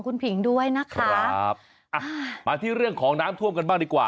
คุณผิงด้วยนะคะครับอ่ะมาที่เรื่องของน้ำท่วมกันบ้างดีกว่า